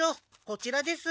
こちらです。